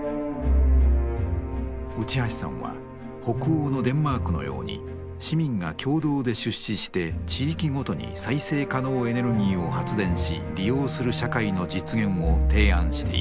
内橋さんは北欧のデンマークのように市民が共同で出資して地域ごとに再生可能エネルギーを発電し利用する社会の実現を提案しています。